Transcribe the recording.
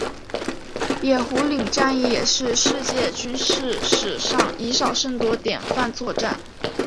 野狐岭战役也是世界军事史上以少胜多典范作战。